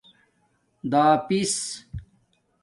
داپِس